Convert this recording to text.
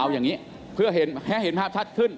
เอาอย่างนี้เพื่อให้เห็นภาพชัดขึ้น